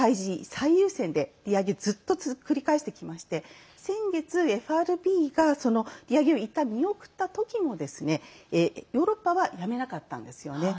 最優先で利上げをずっと繰り返してきて先月、ＦＲＢが利上げをいったん見送った時もヨーロッパはやめなかったんですよね。